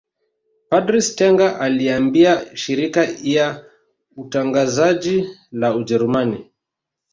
Padre Stenger aliiambia shirika ia utangazaji la Ujerumani